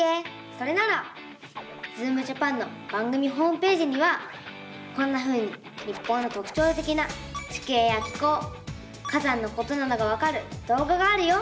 それなら「ズームジャパン」の番組ホームページにはこんなふうに日本のとくちょうてきな地形や気候火山のことなどがわかるどうががあるよ！